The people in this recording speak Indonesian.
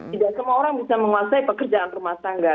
tidak semua orang bisa menguasai pekerjaan rumah tangga